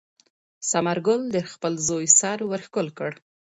ثمر ګل د خپل زوی سر ور ښکل کړ.